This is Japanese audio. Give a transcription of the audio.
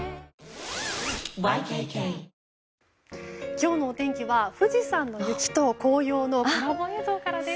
今日のお天気は富士山の雪と紅葉のコラボ映像からです。